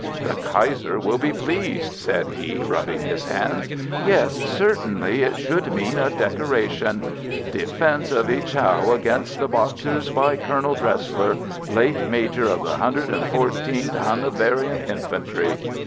"The Kaiser will be pleased," said he, rubbing his hands. "Yes, certainly it should mean a decoration. 'Defence of Ichau against the Boxers by Colonel Dresler, late Major of the 114th Hanoverian Infantry.